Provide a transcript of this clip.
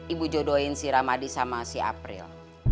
ibu jodohin si ramadi sama si april